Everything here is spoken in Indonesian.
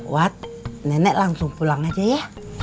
wat nenek langsung pulang aja ya